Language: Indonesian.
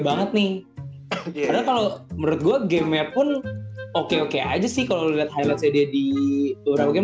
banget nih kalau menurut gue game pun oke oke aja sih kalau lihat highlight jadi di program